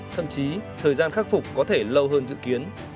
thậm chí thời gian khắc phục có thể lâu hơn dự kiến